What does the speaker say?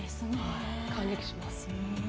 感激します。